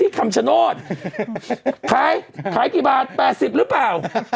ขายขายกี่บาทแปดสิบหรือป่าว